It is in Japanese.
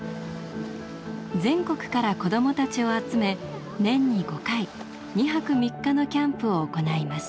全国から子どもたちを集め年に５回２泊３日のキャンプを行います。